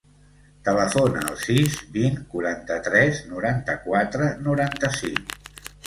Telefona al sis, vint, quaranta-tres, noranta-quatre, noranta-cinc.